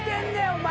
お前。